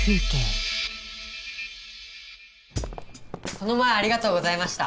この前ありがとうございました。